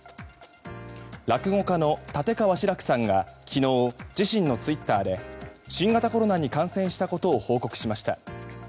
落語家の立川志らくさんが昨日、自身のツイッターで新型コロナに感染したことを報告しました。